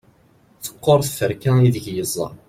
teqqur tferka ideg yeẓẓa